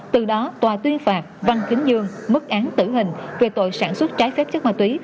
từ đó tòa tuyên phạt văn kính dương mức án tử hình về tội sản xuất trái phép chất ma túy